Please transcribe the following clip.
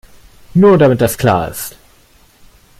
Nur, damit das klar ist.